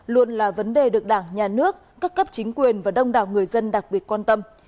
luôn là vấn đề được đảng nhà nước các cấp chính quyền và đông đảo người dân đặc biệt quan tâm